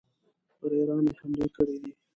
پر ایران یې حملې کړي دي.